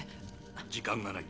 時間がない